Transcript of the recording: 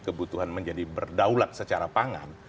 kebutuhan menjadi berdaulat secara pangan